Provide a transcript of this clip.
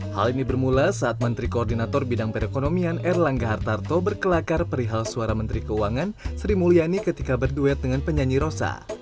hal ini bermula saat menteri koordinator bidang perekonomian erlangga hartarto berkelakar perihal suara menteri keuangan sri mulyani ketika berduet dengan penyanyi rosa